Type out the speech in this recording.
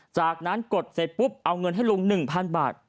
จากนั้นกดเสร็จปุ๊บเอาเงินให้ลุง๑๐๐บาท